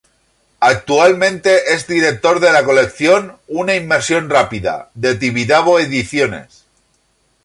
Actualmente es director de la colección "Una inmersión rápida" de Tibidabo Ediciones.